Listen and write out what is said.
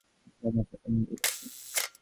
আপনি আমার সাথে মজা করছেন?